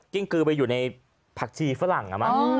กือไปอยู่ในผักชีฝรั่ง